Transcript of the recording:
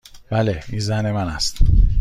بله. این زن من است.